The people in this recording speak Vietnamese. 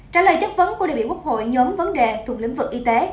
trả lời chất vấn của đại biểu quốc hội nhóm vấn đề thuộc lĩnh vực y tế